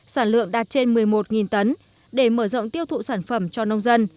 sản lượng đạt trên một mươi một tấn để mở rộng tiêu thụ sản phẩm cho nông dân